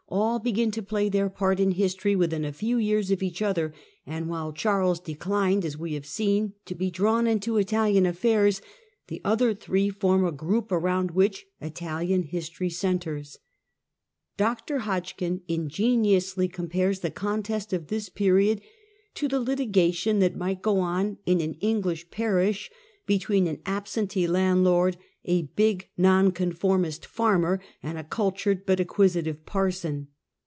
all begin to play their part in history within a few years of each other, and while Charles declined, as we have seen, to be drawn into Italian affairs, the other three form a group around which Italian history centres. Dr. Hodgkin ingeniously compares the contest of this period to " the litigation that might go on in an English parish between an absentee landlord, a big Nonconformist farmer, and a cultured but acquisitive parson